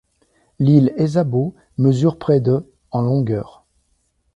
L’île Esabo mesure près de en longueur.